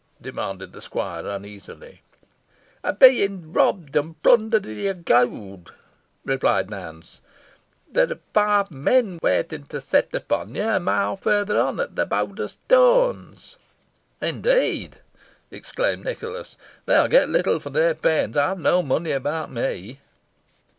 demanded the squire uneasily. "O' bein' robbed, and plundered o' your gowd," replied Nance; "there are five men waitin' to set upon ye a mile further on, at the Bowder Stoans." "Indeed!" exclaimed Nicholas; "they will get little for their pains. I have no money about me."